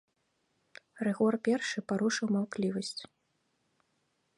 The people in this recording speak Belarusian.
Рыгор першы парушыў маўклівасць.